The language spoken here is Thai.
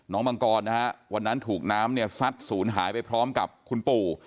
น้องมังกรวันนั้นถูกน้ำซัดศูนย์หายไปพร้อมกับคุณปู่